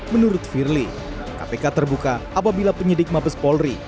menurut firly kpk terbuka apabila penyidik mabes polri